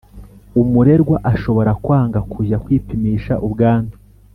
Umurerwa ashobora kwanga kujya kwipimisha ubwandu